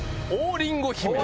りんごだ！